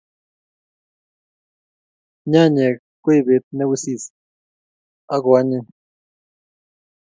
Nyanyek ko keipet ne wisis ak koanyiny